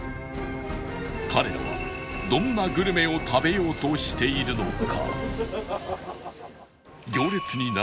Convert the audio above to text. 彼らはどんなグルメを食べようとしているのか？